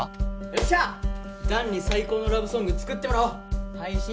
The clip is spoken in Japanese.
よっしゃ弾に最高のラブソング作ってもらおう配信